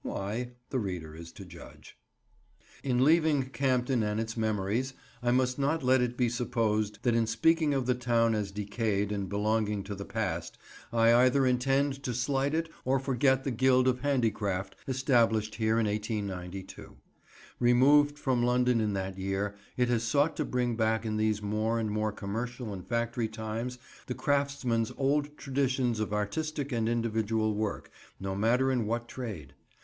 Why, the reader is to judge." In leaving Campden and its memories, I must not let it be supposed that in speaking of the town as decayed and belonging to the past I either intend to slight it or forget the Guild of Handicraft established here in 1892. Removed from London in that year, it has sought to bring back in these more and more commercial and factory times the craftsman's old traditions of artistic and individual work, no matter in what trade.